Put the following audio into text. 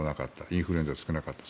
インフルエンザ少なかった。